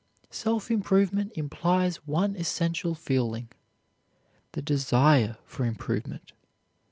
Self improvement implies one essential feeling: the desire for improvement.